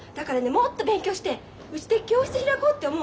もっと勉強してうちで教室開こうって思うの。